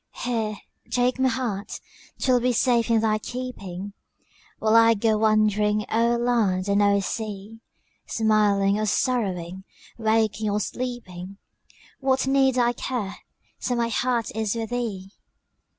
Here, take my heart 'twill be safe in thy keeping, While I go wandering o'er land and o'er sea; Smiling or sorrowing, waking or sleeping, What need I care, so my heart is with thee?